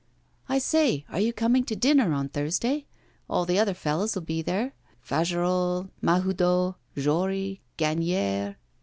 'I say, are you coming to dinner on Thursday? All the other fellows will be there Fagerolles, Mahoudeau, Jory, Gagnière.